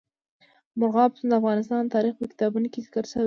مورغاب سیند د افغان تاریخ په کتابونو کې ذکر شوی دی.